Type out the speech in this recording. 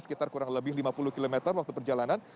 sekitar kurang lebih lima puluh km waktu perjalanan